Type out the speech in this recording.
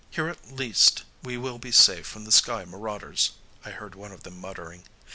"Here at least we will be safe from the sky marauders," I heard one of them muttering.